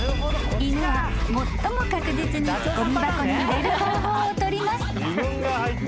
［犬は最も確実にごみ箱に入れる方法を取ります］